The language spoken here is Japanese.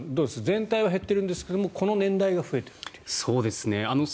全体は減っているんですがこの年代が増えているという。